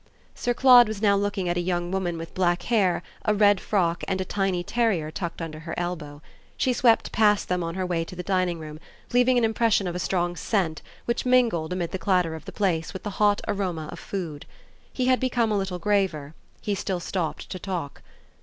Sir Claude was now looking at a young woman with black hair, a red frock and a tiny terrier tucked under her elbow. She swept past them on her way to the dining room, leaving an impression of a strong scent which mingled, amid the clatter of the place, with the hot aroma of food. He had become a little graver; he still stopped to talk.